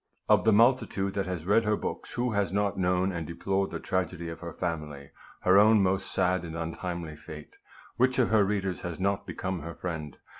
Of the multitude that has read her books, who has not known and deplored the tragedy of her family, her own most sad and untimely fate ? Which of her readers has not become her friend